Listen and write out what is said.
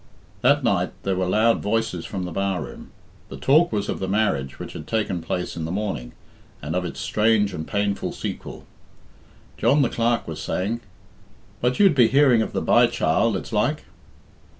That night there were loud voices from the bar room. The talk was of the marriage which had taken place in the morning, and of its strange and painful sequel. John the Clerk was saying, "But you'd be hearing of the by child, it's like?"